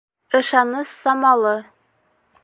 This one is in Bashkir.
Ышаныс самалы